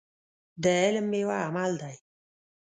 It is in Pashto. د علم ميوه عمل دی.